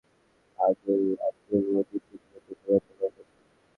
Police জানায়, বুধবার রাতের আবদুল মতিনকে নির্যাতন করে হত্যা করা হয়েছে।